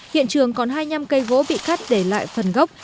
hiện trường còn hai mươi năm cây gỗ bị cắt để lại phần gốc